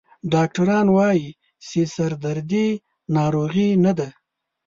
ډاکټران وایي چې سردردي ناروغي نه ده.